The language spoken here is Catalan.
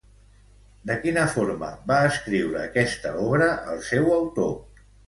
De quina forma va escriure aquesta obra el seu autor?